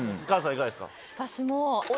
いかがですか？